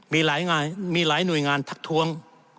มีหลายหน่วยงานทักทวง